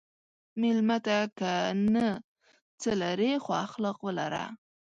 مېلمه ته که نه څه لرې، خو اخلاق ولره.